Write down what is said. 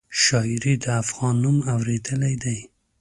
شاعري د افغان نوم اورېدلی دی.